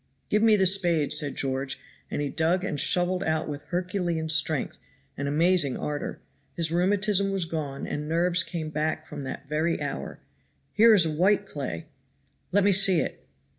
"Give me the spade," said George, and he dug and shoveled out with herculean strength and amazing ardor; his rheumatism was gone and nerves came back from that very hour. "Here is a white clay." "Let me see it.